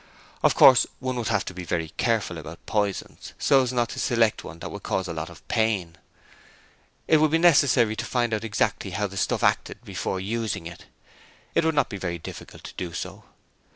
Of course, one would have to be very careful about poisons, so as not to select one that would cause a lot of pain. It would be necessary to find out exactly how the stuff acted before using it. It would not be very difficult to do so.